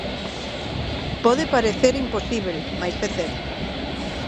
Pode parecer imposíbel, mais é certo.